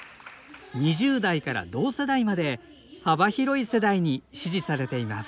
２０代から同世代まで幅広い世代に支持されています